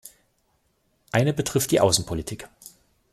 Eine betrifft die Außenpolitik.